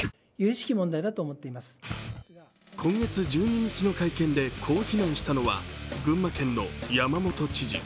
今月１２日の会見でこう非難したのは群馬県の山本知事。